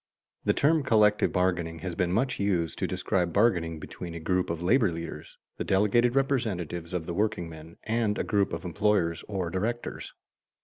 _ The term collective bargaining has been much used to describe bargaining between a group of labor leaders, the delegated representatives of the workingmen, and a group of employers or directors.